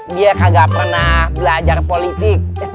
biar kagak pernah belajar politik